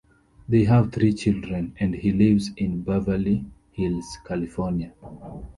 They have three children, and he lives in Beverly Hills, California.